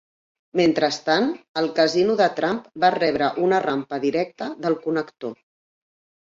Mentrestant, el casino de Trump va rebre una rampa directa del connector.